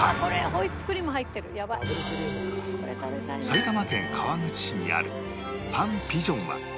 埼玉県川口市にあるパン・ピジョンは